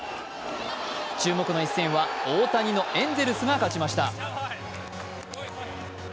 注目の一戦は大谷のエンゼルスが勝ちました。